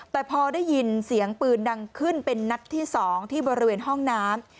แต่พอได้ยินเสียงปืนดังขึ้นเป็นนัดที่๒ที่บริเวณห้องน้ำ